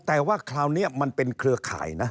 แต่ว่าคราวนี้มันเป็นเครือข่ายนะ